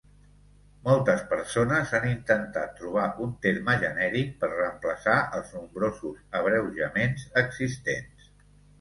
Moltes persones han intentat trobar un terme genèric per reemplaçar els nombrosos abreujaments existents.